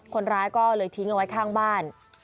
คนร้ายก็เลยทิ้งเอาไว้ข้างบ้าน